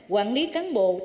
quản lý cán bộ